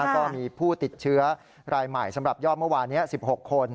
ก็มีผู้ติดเชื้อรายใหม่สำหรับยอดเมื่อวานนี้๑๖คน